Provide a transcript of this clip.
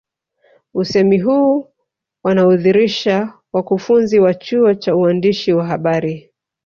Usemi huu wanaudhirisha wakufunzi wa chuo cha uandishi wa habari